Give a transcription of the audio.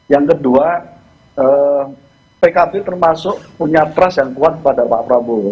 yang kedua pkb termasuk punya trust yang kuat kepada pak prabowo